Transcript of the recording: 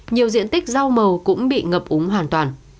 nhiều diện tích rau màu cũng bị ngập úng hoàn toàn